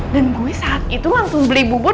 dan gue saat itu langsung beli bubur